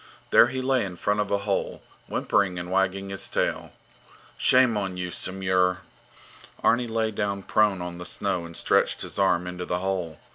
There he lay in front of a hole, whimpering and wagging his tail. Shame on you, Samur! Arni lay down prone on the snow and stretched his arm into the hole.